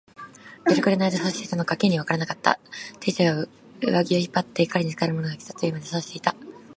どれくらいのあいだそうしていたのか、Ｋ にはわからなかった。亭主が上衣を引っ張って、彼に使いの者がきた、というまで、そうしていた。